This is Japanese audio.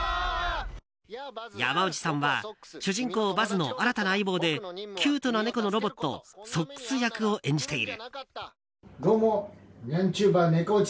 山内さんは主人公バズの新たな相棒でキュートな猫のロボットソックス役を演じている。